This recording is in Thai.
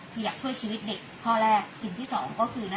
คืออยากช่วยชีวิตเด็กข้อแรกสิ่งที่สองก็คือ